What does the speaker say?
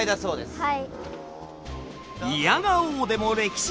はい。